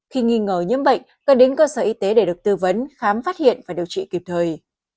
khi nghi ngờ nhiễm bệnh cần đến cơ sở y tế để được tư vấn khám phát hiện và điều trị kịp thời